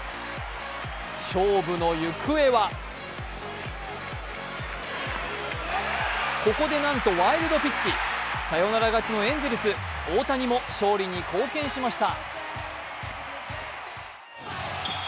勝負の行方はここでなんとワイルドピッチ、サヨナラ勝ちのエンゼルス、大谷も勝利に貢献しました。